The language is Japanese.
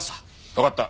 わかった。